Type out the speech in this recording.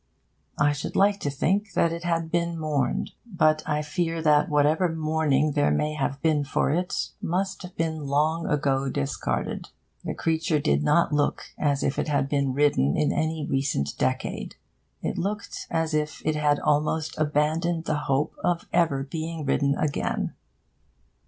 I should like to think that it had been mourned. But I fear that whatever mourning there may have been for it must have been long ago discarded. The creature did not look as if it had been ridden in any recent decade. It looked as if it had almost abandoned the hope of ever being ridden again.